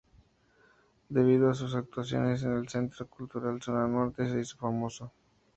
Debido a sus actuaciones en el Centro Cultural Zona Norte, se hizo famoso.